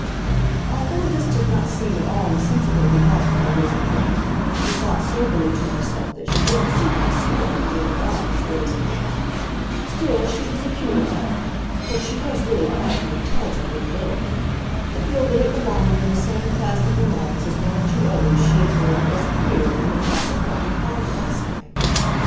Although this did not seem at all a sensible remark to Elizabeth Ann, who thought soberly to herself that she didn't see why snoring made a dog as good as a man, still she was acute enough (for she was really quite an intelligent little girl) to feel that it belonged in the same class of remarks as one or two others she had noted as "queer" in the talk at Putney Farm last night.